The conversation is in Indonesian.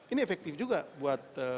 ini efektif juga buat